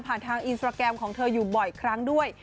ทางอินสตราแกรมของเธออยู่บ่อยครั้งด้วย